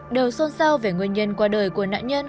đều xôn xao về nguyên nhân qua đời của nạn nhân